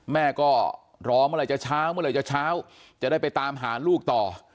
แม่ก็รอเมื่อไหร่จะเช้าเมื่อไหร่จะเช้าจะได้ไปตามหาลูกต่อ